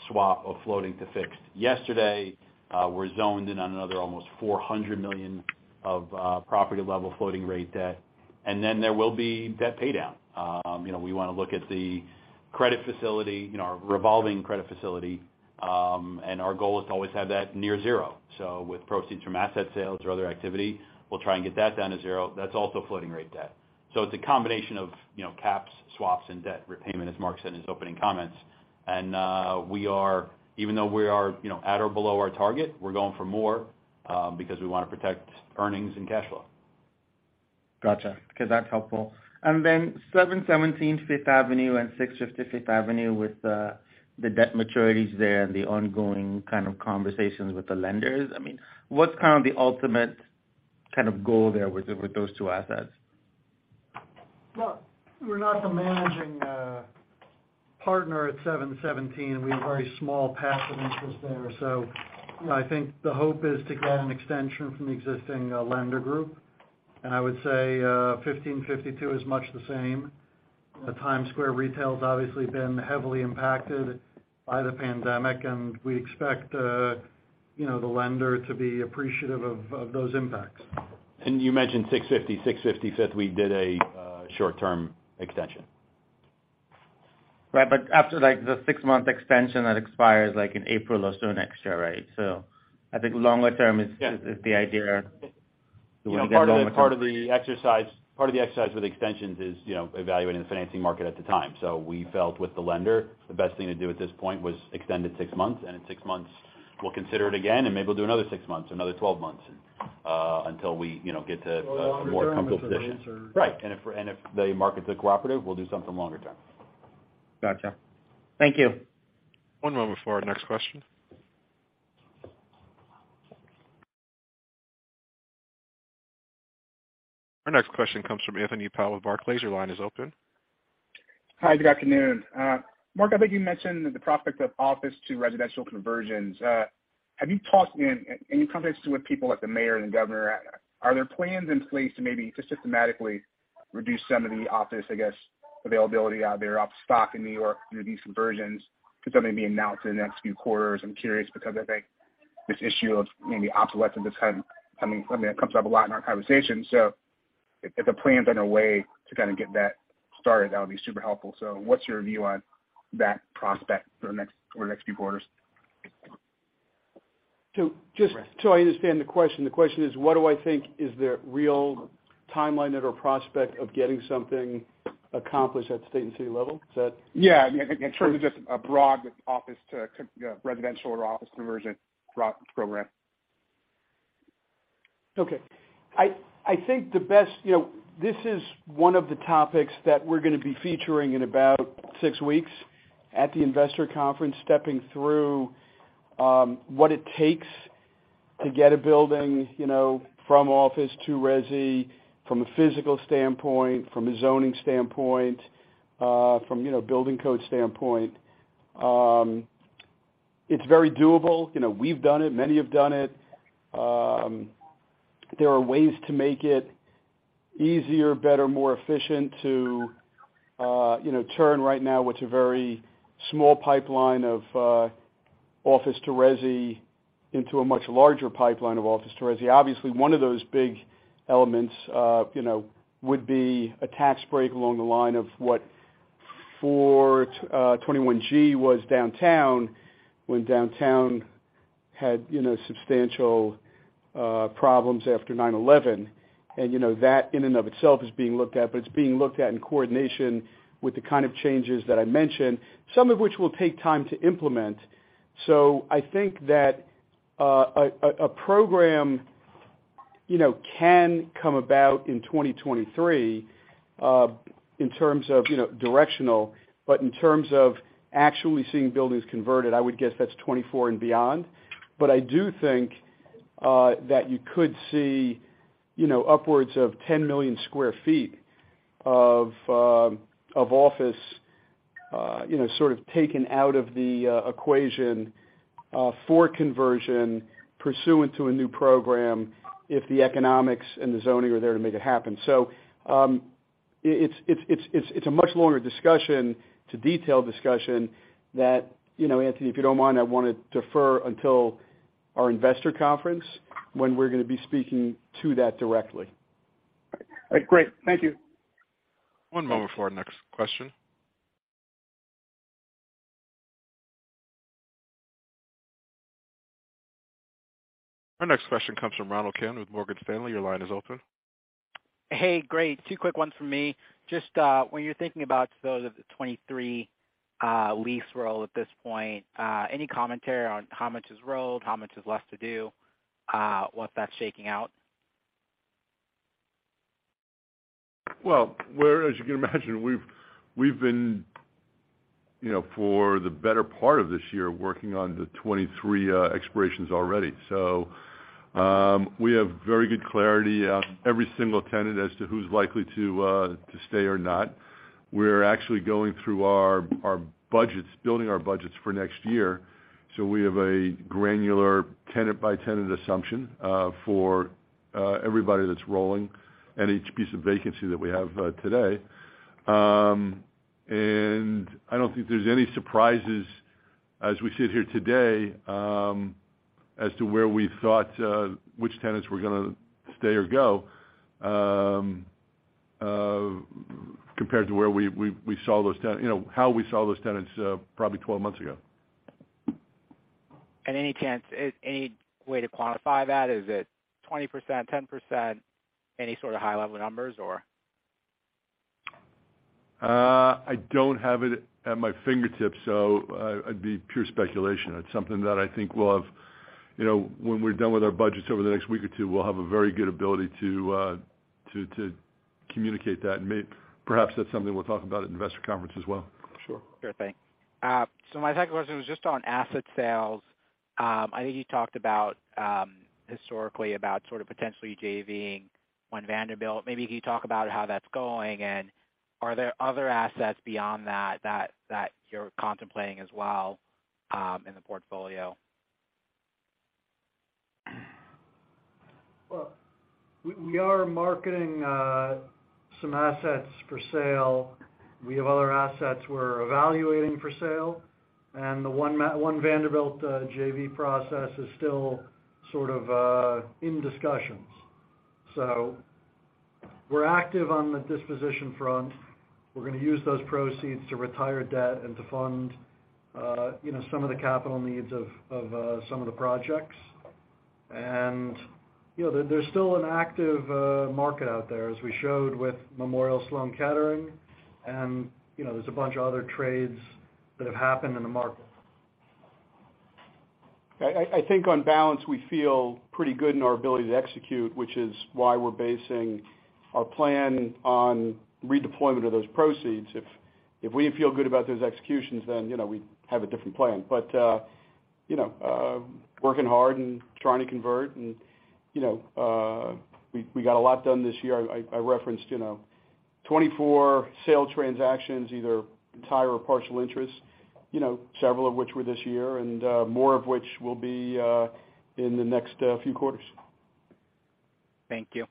swap of floating to fixed. Yesterday, we're zoned in on another almost $400 million of property level floating rate debt. Then there will be debt paydown. You know, we wanna look at the credit facility, you know, our revolving credit facility, and our goal is to always have that near zero. With proceeds from asset sales or other activity, we'll try and get that down to zero. That's also floating rate debt. It's a combination of, you know, caps, swaps, and debt repayment, as Marc said in his opening comments. Even though we are, you know, at or below our target, we're going for more, because we wanna protect earnings and cash flow. Gotcha. Okay, that's helpful. 717 Fifth Avenue and 650 Fifth Avenue with the debt maturities there and the ongoing kind of conversations with the lenders. I mean, what's kind of the ultimate kind of goal there with those two assets? Well, we're not the managing partner at 717. We have a very small passive interest there. I think the hope is to get an extension from the existing lender group. I would say 1552 is much the same. The Times Square retail's obviously been heavily impacted by the pandemic, and we expect you know, the lender to be appreciative of those impacts. You mentioned 650. 650 Fifth, we did a short-term extension. Right. After like the six-month extension that expires like in April of next year, right? I think longer term is- Yeah. is the idea. You wanna get longer term You know, part of the exercise with extensions is, you know, evaluating the financing market at the time. We felt with the lender, the best thing to do at this point was extend it six months. In six months, we'll consider it again, and maybe we'll do another six months, another 12 months, until we, you know, get to a more comfortable position. Longer term if the rates are. Right. If the markets are cooperative, we'll do something longer term. Gotcha. Thank you. One moment for our next question. Our next question comes from Anthony Paolone of Barclays. Your line is open. Hi, good afternoon. Marc, I think you mentioned the prospect of office to residential conversions. Have you talked in any conversations with people like the mayor and governor? Are there plans in place to maybe systematically reduce some of the office, I guess, availability out there of stock in New York through these conversions that could suddenly be announced in the next few quarters? I'm curious because I think this issue of maybe obsolescence is kind of coming. I mean, it comes up a lot in our conversations, so if the plans are in a way to kind of get that started, that would be super helpful. What's your view on that prospect for the next few quarters? Just so I understand the question, the question is, what do I think is the real timeline or prospect of getting something accomplished at state and city level? Is that- Yeah. In terms of just a broad office to you know residential or office conversion program. Okay. I think you know, this is one of the topics that we're gonna be featuring in about six weeks at the investor conference, stepping through what it takes to get a building, you know, from office to resi from a physical standpoint, from a zoning standpoint, from, you know, building code standpoint. It's very doable. You know, we've done it, many have done it. There are ways to make it easier, better, more efficient to, you know, turn right now what's a very small pipeline of office to resi into a much larger pipeline of office to resi. Obviously, one of those big elements, you know, would be a tax break along the line of what 421-g was downtown when downtown had, you know, substantial problems after 9/11. You know, that in and of itself is being looked at, but it's being looked at in coordination with the kind of changes that I mentioned, some of which will take time to implement. I think that a program, you know, can come about in 2023, in terms of, you know, directional. But in terms of actually seeing buildings converted, I would guess that's 2024 and beyond. I do think that you could see, you know, upwards of 10 million sq ft of office, you know, sort of taken out of the equation for conversion pursuant to a new program if the economics and the zoning are there to make it happen. It's a much longer discussion. It's a detailed discussion that, you know, Anthony, if you don't mind, I wanna defer until our investor conference when we're gonna be speaking to that directly. All right. Great. Thank you. One moment for our next question. Our next question comes from Ronald Kamdem with Morgan Stanley. Your line is open. Hey, great. two quick ones from me. Just, when you're thinking about sort of the 2023 lease roll at this point, any commentary on how much is rolled, how much is left to do, what's that shaking out? Well, as you can imagine, we've been, you know, for the better part of this year, working on the 23 expirations already. We have very good clarity on every single tenant as to who's likely to stay or not. We're actually going through our budgets, building our budgets for next year, so we have a granular tenant-by-tenant assumption for everybody that's rolling and each piece of vacancy that we have today. I don't think there's any surprises as we sit here today as to where we thought which tenants were gonna stay or go compared to where we saw those tenants, you know, how we saw those tenants probably 12 months ago. Any chance, any way to quantify that? Is it 20%, 10%? Any sort of high level numbers or? I don't have it at my fingertips, so it'd be pure speculation. It's something that I think we'll have. You know, when we're done with our budgets over the next week or two, we'll have a very good ability to communicate that. Perhaps that's something we'll talk about at investor conference as well. Sure. Sure thing. My second question was just on asset sales. I think you talked about, historically about sort of potentially JV-ing One Vanderbilt. Maybe can you talk about how that's going, and are there other assets beyond that that you're contemplating as well, in the portfolio? Well, we are marketing some assets for sale. We have other assets we're evaluating for sale, and the One Vanderbilt JV process is still sort of in discussions. We're active on the disposition front. We're gonna use those proceeds to retire debt and to fund you know some of the capital needs of some of the projects. You know, there's still an active market out there, as we showed with Memorial Sloan Kettering and, you know, there's a bunch of other trades that have happened in the market. I think on balance, we feel pretty good in our ability to execute, which is why we're basing our plan on redeployment of those proceeds. If we didn't feel good about those executions, then, you know, we'd have a different plan. You know, working hard and trying to convert and, you know, we got a lot done this year. I referenced, you know, 24 sale transactions, either entire or partial interest, you know, several of which were this year, and more of which will be in the next few quarters. Thank you.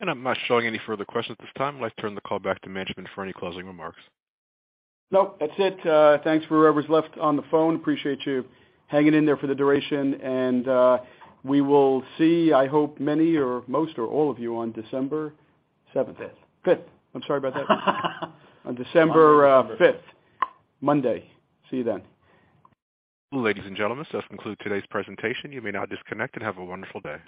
I'm not showing any further questions at this time. Let's turn the call back to management for any closing remarks. Nope. That's it. Thanks for whoever's left on the phone. Appreciate you hanging in there for the duration and, we will see, I hope many or most or all of you on December 17th. 5th. 5th. I'm sorry about that. On December 5th, Monday. See you then. Ladies and gentlemen, this concludes today's presentation. You may now disconnect and have a wonderful day.